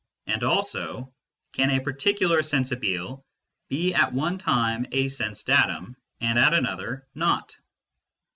" and also "Can a particular sensibile be at one time a sense datum, and at another not